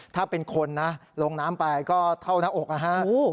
ถ้าเป็นคนลงน้ำไปก็เท่านักออกอาฮาต